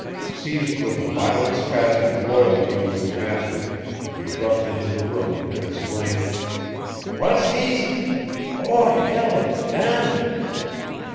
Seized with a violent spasm of loyalty to his master he brushed into the room and exclaimed: "Whatz thees? Oh, hell damn!"